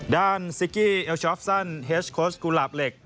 ด้านซิกกี้เอลชอฟซันเฮชโคชกุลาปเหล็ก